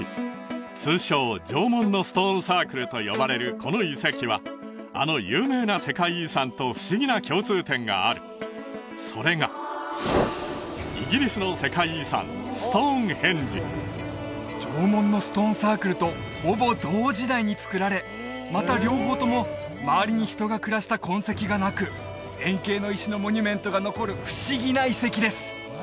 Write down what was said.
通称縄文のストーンサークルと呼ばれるこの遺跡はあの有名な世界遺産と不思議な共通点があるそれがイギリスの世界遺産ストーンヘンジ縄文のストーンサークルとほぼ同時代につくられまた両方とも周りに人が暮らした痕跡がなく円形の石のモニュメントが残る不思議な遺跡です